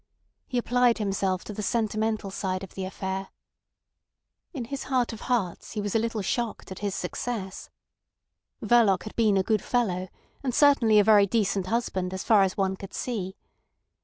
He applied himself to the sentimental side of the affair. In his heart of hearts he was a little shocked at his success. Verloc had been a good fellow, and certainly a very decent husband as far as one could see.